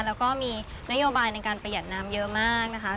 แล้วก็มีนโยบายในการประหยัดน้ำเยอะมากนะคะ